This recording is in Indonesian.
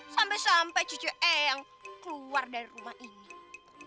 sampai sampai cucu eyang keluar dari rumah ini